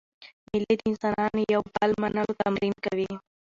مېلې د انسانانو د یو بل منلو تمرین کوي.